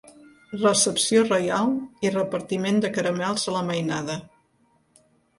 Recepció reial i repartiment de caramels a la mainada.